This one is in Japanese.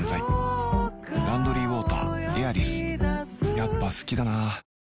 やっぱ好きだな